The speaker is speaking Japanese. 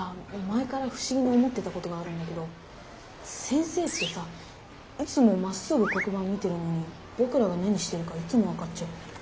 前からふしぎに思ってたことがあるんだけど先生ってさいつもまっすぐ黒板を見てるのにぼくらが何してるかいつも分かっちゃうよね。